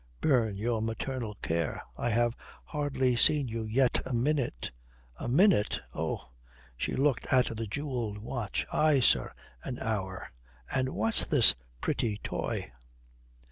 "Burn your maternal care! I have hardly seen you yet a minute." "A minute! Oh!" She looked at the jewelled watch. "Aye, sir, an hour. And what's this pretty toy?"